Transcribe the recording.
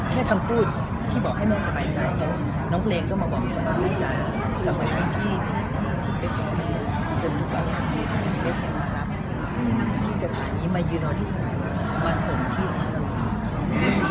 แค่คำพูดที่บอกให้แม่สบายใจเพราะน้องเพลงก็มาบอกว่าน้องเพลงไม่ใจจากวันนั้นที่เบ๊กมารับที่สถานีมายืนรอที่สมัยมาส่งที่น้องเพลง